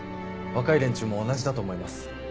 若い連中も同じだと思います。